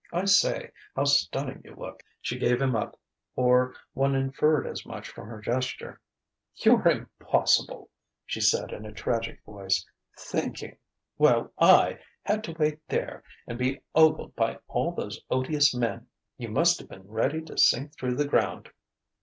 I say, how stunning you look!" She gave him up; or one inferred as much from her gesture. "You're impossible," she said in a tragic voice. "Thinking!... While I had to wait there and be ogled by all those odious men!" "You must've been ready to sink through the ground."